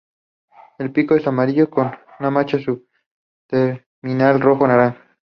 El pico es amarillo con mancha subterminal rojo-naranja.